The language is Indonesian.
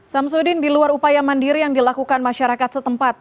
samsudin di luar upaya mandiri yang dilakukan masyarakat setempat